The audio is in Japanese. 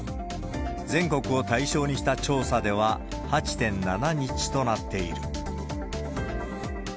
全国を対象にした調査では、８．７日となっている。